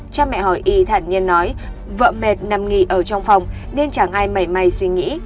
cha mẹ hỏi y thản nhiên nói vợ mệt nằm nghỉ ở trong phòng nên chẳng ai mẩy may suy nghĩ